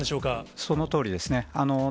そのとおりですね。